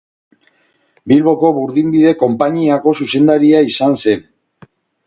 Bilboko burdinbide-konpainiako zuzendaria izan zen.